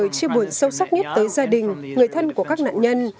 tôi rất buồn sâu sắc nhất tới gia đình người thân của các nạn nhân